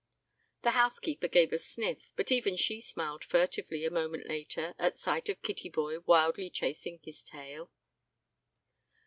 The housekeeper gave a sniff, but even she smiled furtively a moment later at sight of Kittyboy wildly chasing his tail.